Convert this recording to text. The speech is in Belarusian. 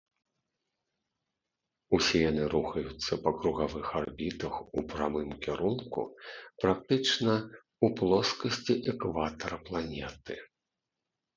Усе яны рухаюцца па кругавых арбітах у прамым кірунку практычна ў плоскасці экватара планеты.